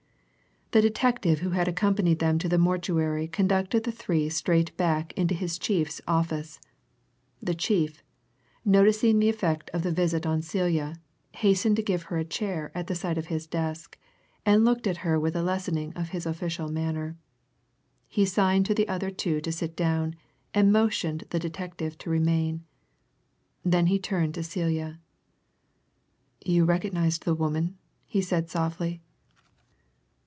The detective who had accompanied them to the mortuary conducted the three straight back to his chief's office the chief, noticing the effect of the visit on Celia, hastened to give her a chair at the side of his desk, and looked at her with a lessening of his official manner. He signed to the other two to sit down, and motioned the detective to remain. Then he turned to Celia. "You recognized the woman?" he said softly.